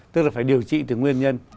tức là phải điều trị từ nguyên nhân